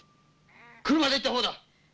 車で行った方だ！